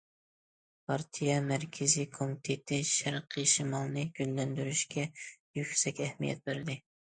پارتىيە مەركىزىي كومىتېتى شەرقىي شىمالنى گۈللەندۈرۈشكە يۈكسەك ئەھمىيەت بەردى.